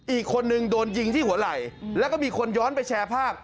อีกคนนึงโดนยิงที่หัวไหล่แล้วก็มีคนย้อนไปแชร์ภาพ